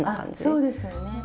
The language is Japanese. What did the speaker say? あそうですよね。